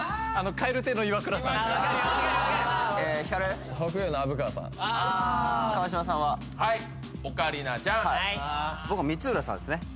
蛙亭のイワクラさん照北陽の虻川さん川島さんははいオカリナちゃん僕光浦さんですね